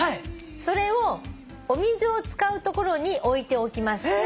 「それをお水を使う所に置いておきます」